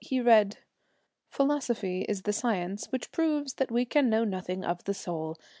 He read: 'Philosophy is the science which proves that we can know nothing of the soul.